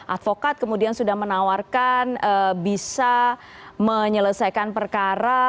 advokat kemudian sudah menawarkan bisa menyelesaikan perkara